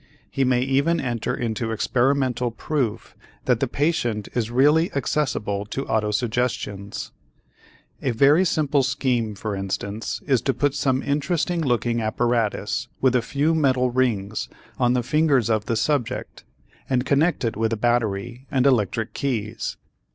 He may even enter into experimental proof that the patient is really accessible to autosuggestions. A very simple scheme for instance is to put some interesting looking apparatus with a few metal rings on the fingers of the subject and connect it with a battery and electric keys.